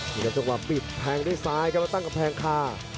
นี่ครับจังหวะปิดแทงด้วยซ้ายครับแล้วตั้งกำแพงคา